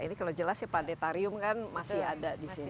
ini kalau jelas ya planetarium kan masih ada di sini